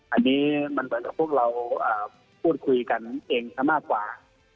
อันนี้มันเหมือนกับพวกเราพูดคุยกันเองซะมากกว่า